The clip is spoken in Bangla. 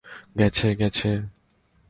গেছে, গেছে!